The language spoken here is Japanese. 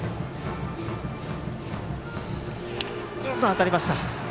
当たりました。